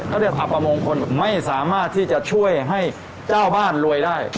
เขาเรียกอัปมงคลไม่สามารถที่จะช่วยให้เจ้าบ้านรวยได้